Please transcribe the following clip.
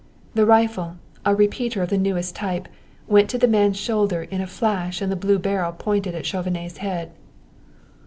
The rifle a repeater of the newest type went to the man's shoulder in a flash and the blue barrel pointed at Chauvenet's head.